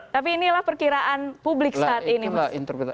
tapi inilah perkiraan publik saat ini mas